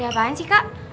ada apaan sih kak